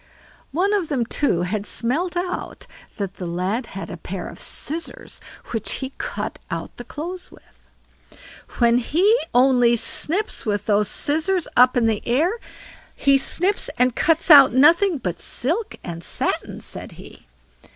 One of them, too, had smelt out that the lad had a pair of scissors which he cut out the clothes with. "When he only snips with those scissors up in the air he snips and cuts out nothing but silk and satin", said he.